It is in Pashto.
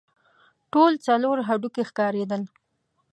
ټول څلور هډوکي ښکارېدل.